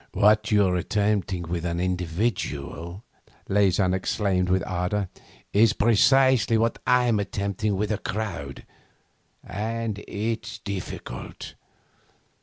'What you're attempting with an individual,' Leysin exclaimed with ardour, 'is precisely what I'm attempting with a crowd. And it's difficult.